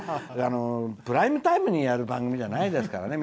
プライムタイムにやる番組じゃないですからね。